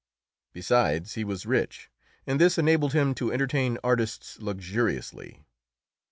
Besides, he was rich, and this enabled him to entertain artists luxuriously.